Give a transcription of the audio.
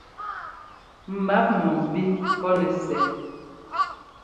Mbǎp mɔ̂mbí pɔ́ nɛ́ sɛ́.